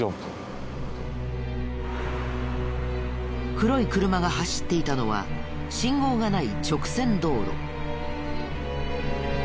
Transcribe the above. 黒い車が走っていたのは信号がない直線道路。